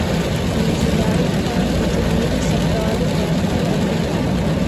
موزیلا ویبپاڼه د جملو د ثبتولو برخه لري.